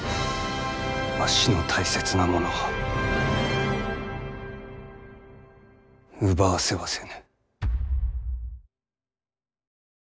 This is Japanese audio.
わしの大切なものを奪わせはせぬ。